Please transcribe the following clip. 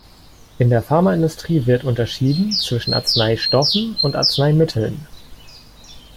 In der Pharmaindustrie wird unterschieden zwischen Arzneistoffen und Arzneimitteln.